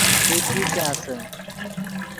تو چی چاسے